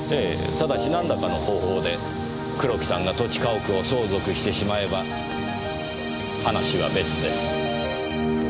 ただしなんらかの方法で黒木さんが土地家屋を相続してしまえば話は別です。